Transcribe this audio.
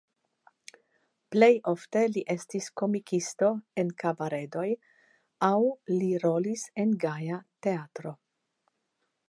Plej ofte li estis komikisto en kabaredoj aŭ li rolis en Gaja Teatro.